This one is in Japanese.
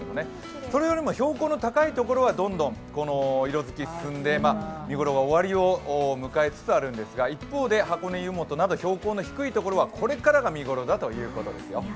それよりも標高の高い所はどんどん色づきが進んで見頃が終わりを迎えつつあるんですが一方で箱根湯本など標高の低い所はこれからが見頃だということですよ。